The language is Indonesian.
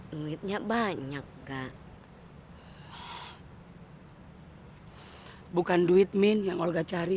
dia begitu cakep